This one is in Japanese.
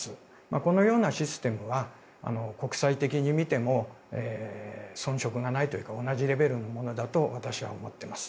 このようなシステムは国際的に見ても遜色がないというか同じレベルのものだと私は思っています。